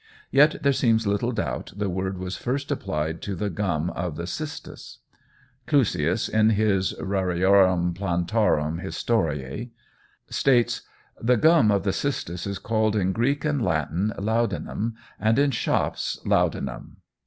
Yet there seems little doubt the word was first applied to the gum of the cistus. Clusius in his "Rariorum Plantarum Historia" states, "The gum of the cistus is called in Greek and Latin, ladanum, and in shops laudanum."